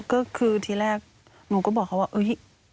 ก็คือทีแรกหนูก็บอกเขาว่าเฮ้ย